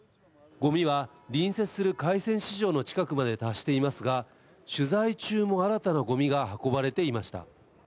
ごみは隣接する海鮮市場の近くまで達していますが、取材中も新たなごみが運ばれていました。